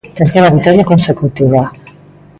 Terceira vitoria consecutiva.